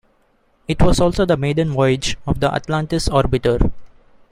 It was also the maiden voyage of the "Atlantis" orbiter.